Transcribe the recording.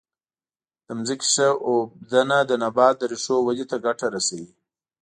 د ځمکې ښه اوبدنه د نبات د ریښو ودې ته ګټه رسوي.